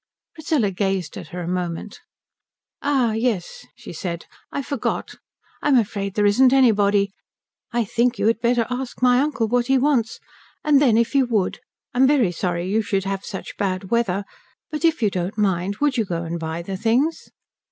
Priscilla gazed at her a moment. "Ah yes " she said, "I forgot. I'm afraid there isn't anybody. I think you had better ask my uncle what he wants, and then if you would I'm very sorry you should have such bad weather but if you don't mind, would you go and buy the things?"